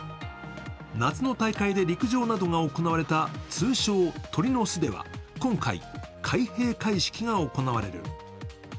夏の大会で陸上などが行われた通称・鳥の巣では、今回、開・閉会式が行われる。